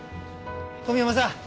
小宮山さん